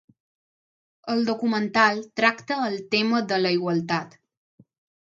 El documental tracta el tema de la igualtat.